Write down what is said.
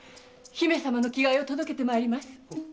姫君の着替えを届けてまいります。